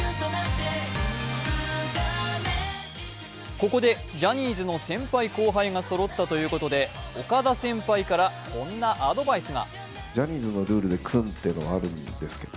ここでジャニーズの先輩・後輩がそろったということで岡田先輩からこんなアドバイスが。